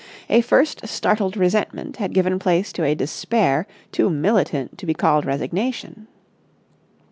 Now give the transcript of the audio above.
A first startled resentment had given place to a despair too militant to be called resignation.